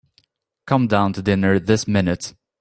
Come down to dinner this minute.